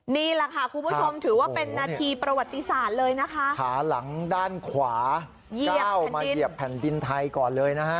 นี่แหละค่ะคุณผู้ชมถือว่าเป็นนาทีประวัติศาสตร์เลยนะคะขาหลังด้านขวาก้าวมาเหยียบแผ่นดินไทยก่อนเลยนะฮะ